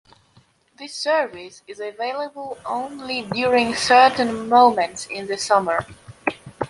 This service is available only during certain moments in the summer.